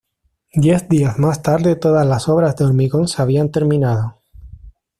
Diez días más tarde todas las obras de hormigón se habían terminado.